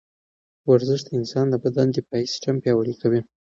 ورزش د انسان د بدن دفاعي سیستم پیاوړی کوي.